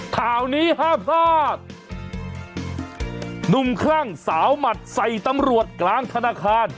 ข่าวนี้ห้ามพลาดหนุ่มคลั่งสาวหมัดใส่ตำรวจกลางธนาคาร